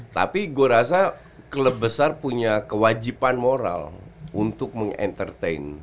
tapi gua rasa klub besar punya kewajiban moral untuk mengentertain